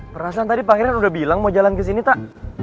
perasaan tadi pak keren udah bilang mau jalan kesini tak